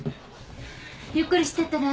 ゆっくりしてってね。